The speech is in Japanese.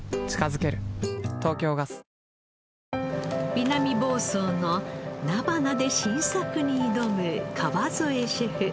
南房総の菜花で新作に挑む川副シェフ。